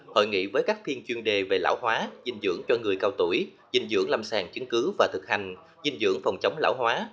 hội nghị với các thiên chuyên đề về lão hóa dinh dưỡng cho người cao tuổi dinh dưỡng làm sàn chứng cứ và thực hành dinh dưỡng phòng chống lão hóa